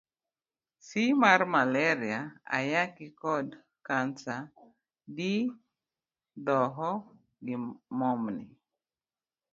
C. mar Maleria, Ayaki, kod kansaD. Dhoho, gi momni